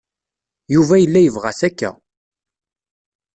Yuba yella yebɣa-t akka.